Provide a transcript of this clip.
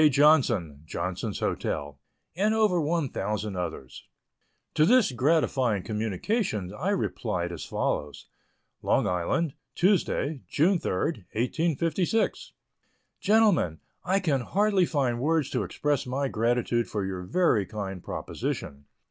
Johnson, Johnson's Hotel, and over 1,000 others. To this gratifying communication I replied as follows: LONG ISLAND, Tuesday, June 3, 1856. GENTLEMEN, I can hardly find words to express my gratitude for your very kind proposition.